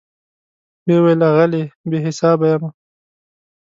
وی ویل آغلې , بي حساب یمه